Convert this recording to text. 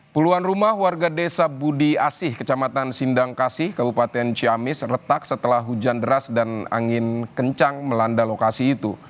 puluhan rumah warga desa budi asih kecamatan sindang kasih kabupaten ciamis retak setelah hujan deras dan angin kencang melanda lokasi itu